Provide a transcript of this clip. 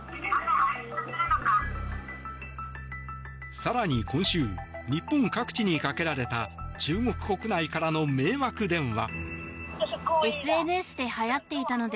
更に今週日本各地にかけられた中国国内からの迷惑電話。